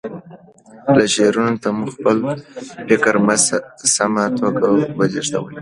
لاشعور ته مو خپل فکر په سمه توګه ولېږدوئ